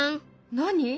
何？